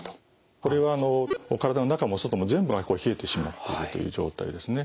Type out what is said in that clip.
これは体の中も外も全部が冷えてしまっているという状態ですね。